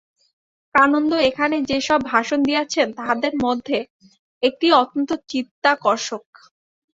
কানন্দ এখানে যে-সব ভাষণ দিয়াছেন, তাহাদের মধ্যে একটি অত্যন্ত চিত্তাকর্ষক।